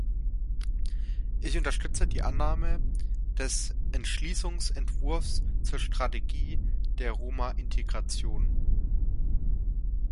Ich unterstütze die Annahme des Entschließungsentwurfs zur Strategie der Roma-Integration.